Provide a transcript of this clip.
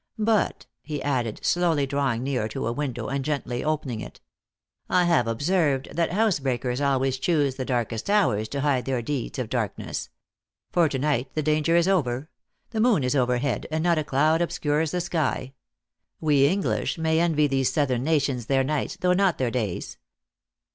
But," he added, slowly drawing near to a window, and gently opening it, "I have ob served that house breakers always choose the darkest hours to hide their deeds of darkness. For to night the danger is over. The moon is overhead, and not a cloud obscures the sky. WQ English may envy these Southern nations their nights, though not their days."